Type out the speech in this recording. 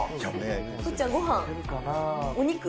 ここちゃん、ごはん。